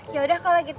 yaudah kalo gitu deh bu